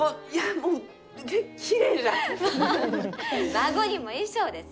「馬子にも衣装」です！